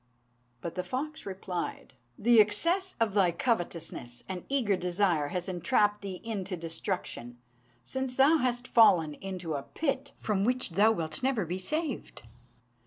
But the fox replied, "The excess of thy covetousness and eager desire has entrapped thee into destruction, since thou hast fallen into a pit from which thou wilt never be saved.